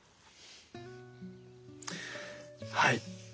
はい。